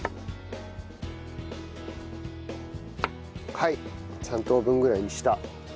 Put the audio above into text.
はい３等分ぐらいにした。